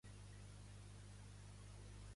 La font del nom "Candor" és desconeguda.